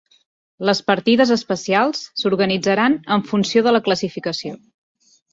Les partides especials s'organitzaran en funció de la classificació.